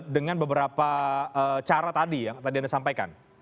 dengan beberapa cara tadi yang tadi anda sampaikan